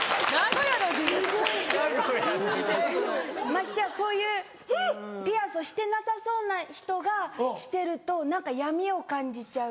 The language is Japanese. ましてやそういうピアスをしてなさそうな人がしてると何か闇を感じちゃう。